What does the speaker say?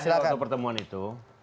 saya ada waktu pertemuan itu